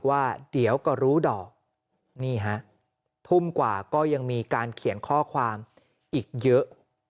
ว่าเดี๋ยวก็รู้ดอกนี่ฮะทุ่มกว่าก็ยังมีการเขียนข้อความอีกเยอะ